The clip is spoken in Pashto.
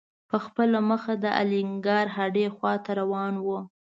په خپله مخه د الینګار هډې خواته روان و.